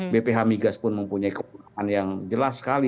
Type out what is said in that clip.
bph migas pun mempunyai kewenangan yang jelas sekali